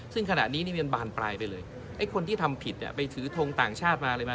ซึ่งขณะนี้นี่มันบานปลายไปเลยไอ้คนที่ทำผิดไปถือทงต่างชาติมาอะไรมา